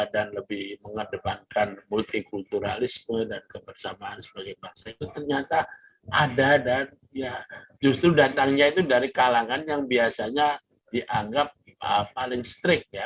dan lebih mengedepankan multikulturalisme dan kebersamaan sebagai bangsa itu ternyata ada dan justru datangnya itu dari kalangan yang biasanya dianggap paling strict ya